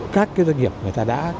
các doanh nghiệp người ta đã